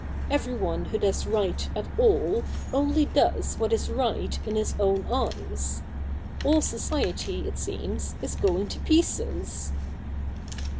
Every one who does right at all only does what is right in his own eyes. All society, it seems, is going to pieces.'